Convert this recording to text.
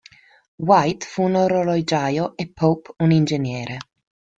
White fu un orologiaio e Poppe un ingegnere.